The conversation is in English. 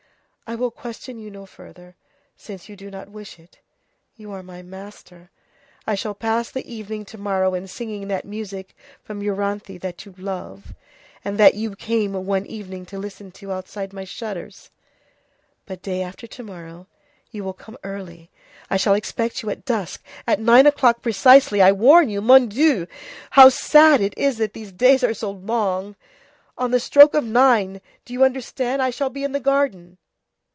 I will question you no further, since you do not wish it. You are my master. I shall pass the evening to morrow in singing that music from Euryanthe that you love, and that you came one evening to listen to, outside my shutters. But day after to morrow you will come early. I shall expect you at dusk, at nine o'clock precisely, I warn you. Mon Dieu! how sad it is that the days are so long! On the stroke of nine, do you understand, I shall be in the garden."